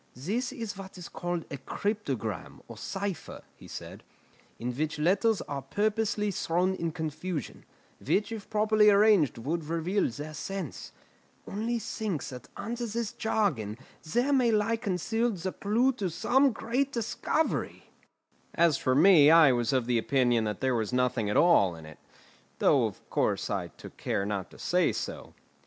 "This is what is called a cryptogram, or cipher," he said, "in which letters are purposely thrown in confusion, which if properly arranged would reveal their sense. Only think that under this jargon there may lie concealed the clue to some great discovery!" As for me, I was of opinion that there was nothing at all, in it; though, of course, I took care not to say so.